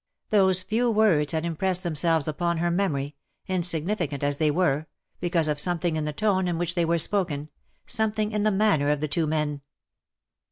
"" Those few words had impressed them selves upon her memory — insignificant as they were — because of something in the tone in which they were spoken — something in the manner of the two men.